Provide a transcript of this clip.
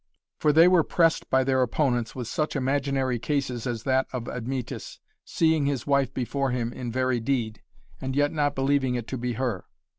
For they were pressed by their opponents with such imaginary cases as that of Admetus, seeing his wife before him in very deed, and yet not believing it to be her.